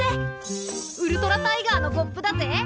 ウルトラタイガーのコップだぜ！